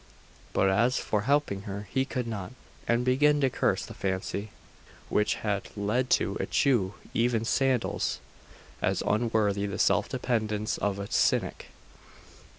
But as for helping her, he could not; and began to curse the fancy which had led to eschew even sandals as unworthy the self dependence of a Cynic.